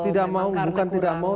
tidak mau bukan tidak mau